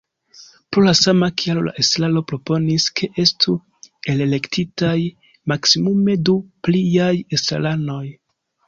Pro la sama kialo la estraro proponis, ke estu alelektitaj maksimume du pliaj estraranoj.